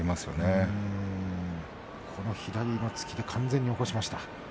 阿炎の左の突きで完全に起こしました。